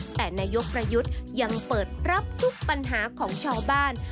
แต่นายกประยุทธ์ยังเปิดรับทุกปัญหาของชาวบ้าน